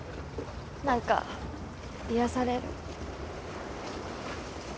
何か癒やされる。